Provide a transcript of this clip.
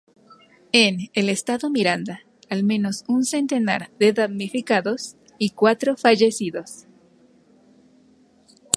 En el estado Miranda al menos un centenar de damnificados y cuatro fallecidos.